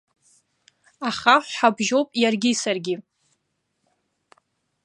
Ахаҳә ҳабжьоуп иаргьы саргьы.